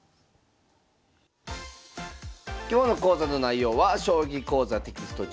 今日の講座の内容は「将棋講座」テキスト